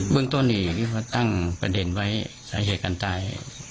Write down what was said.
เบื้องต้นนี้ตั้งประเด็นไว้สาเหตุการณ์ตาย